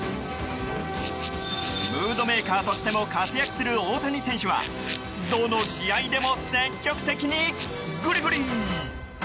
ムードメーカーとしても活躍する大谷選手はどの試合でも積極的にグリグリ。